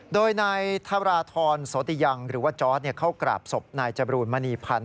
โดยนายธาราธรโสติยังหรือว่าจอร์ดเข้ากราบศพนายจบรูนมณีพันธ์